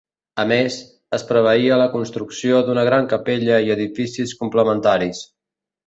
A més, es preveia la construcció d'una gran capella i edificis complementaris.